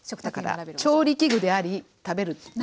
だから調理器具であり食べる器。